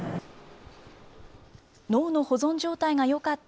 脳の保存状態がよかった